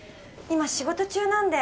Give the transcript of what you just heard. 今仕事中なんで。